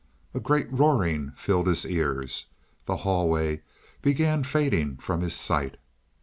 A great roaring filled his ears; the hallway began fading from his sight.